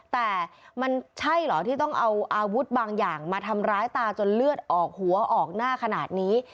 แต่มันใช่เหรอที่ต้องเอาอาวุธบางอย่างมาทำร้ายตาจนเลือดออกหัวออกหน้าขนาดนี้